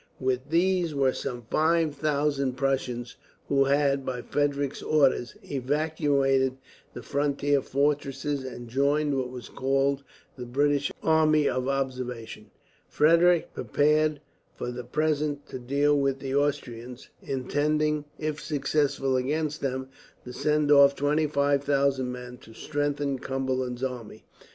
With these were some 5000 Prussians; who had, by Frederick's orders, evacuated the frontier fortresses and joined what was called the British army of observation. Frederick prepared, for the present, to deal with the Austrians; intending, if successful against them, to send off 25,000 men to strengthen Cumberland's army.